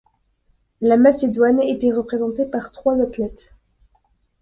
La Macédoine était représentée par trois athlètes.